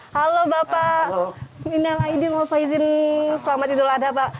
halo bapak minal aidil pak idin selamat idul adha pak